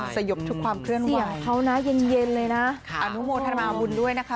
สยบทุกความเคลื่อนไหวของเขานะเย็นเลยนะอนุโมทนาบุญด้วยนะคะ